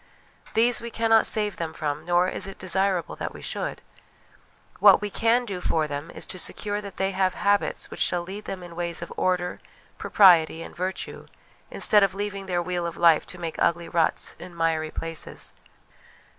These we cannot save them from, nor is it desirable that we should. What vve can do for them is to secure that they have habits which shall lead them in ways of order, propriety, and virtue, instead of leaving their wheel of life to make ugly ruts in miry places.